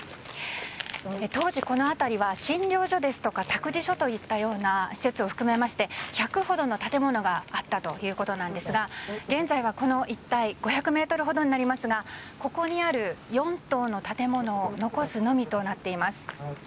当時この辺りは診療所ですとか託児所といったような施設を含めて１００ほどの建物があったということなんですが現在はこの一帯５００メートルほどになりますがここにある４棟の建物を残すのみとなっています。